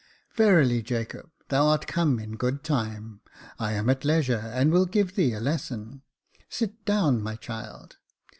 " Verily, Jacob, thou art come in good time. I am at leisure, and will give thee a lesson. Sit down, my child."